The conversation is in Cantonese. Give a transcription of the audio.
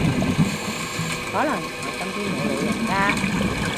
可能我身邊冇老人家